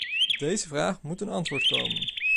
Op deze vraag moet een antwoord komen!